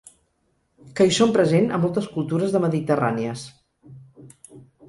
Que hi són present a moltes cultures de mediterrànies.